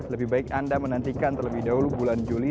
lebih baik anda menantikan terlebih dahulu bulan juli